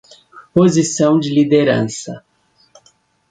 Posição de liderança